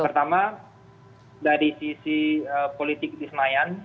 pertama dari sisi politik di senayan